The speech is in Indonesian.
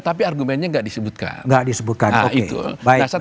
tapi argumennya nggak disebutkan